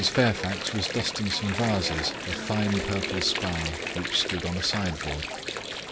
Fairfax was dusting some vases of fine purple spar, which stood on a sideboard.